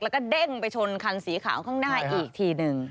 แล้วก็เด้งไปชนคันสีขาวข้างหน้าอีกทีหนึ่ง